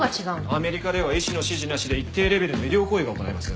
アメリカでは医師の指示なしで一定レベルの医療行為が行えます。